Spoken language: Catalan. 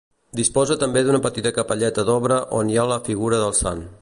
Disposa també d'una petita capelleta d'obra on hi ha la figura del sant.